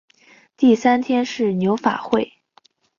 第三天是牛法会。